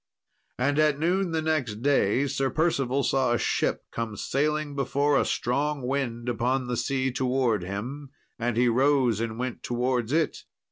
And at noon the next day Sir Percival saw a ship come sailing before a strong wind upon the sea towards him, and he rose and went towards it.